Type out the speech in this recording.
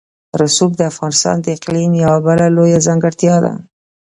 رسوب د افغانستان د اقلیم یوه بله لویه ځانګړتیا ده.